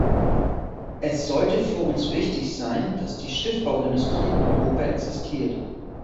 Es sollte für uns wichtig sein, dass die Schiffbauindustrie in Europa existiert.